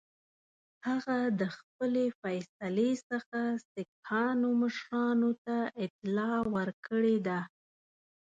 هغه د خپلي فیصلې څخه سیکهانو مشرانو ته اطلاع ورکړې ده.